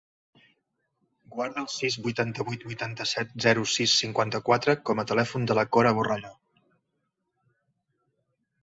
Guarda el sis, vuitanta-vuit, vuitanta-set, zero, sis, cinquanta-quatre com a telèfon de la Cora Borrallo.